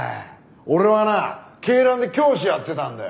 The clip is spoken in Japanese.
俺はな恵蘭で教師やってたんだよ。